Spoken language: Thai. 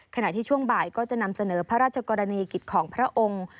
ขณะที่ช่วงบ่ายก็จะนำเสนอพระราชกรณีกิจของพระองค์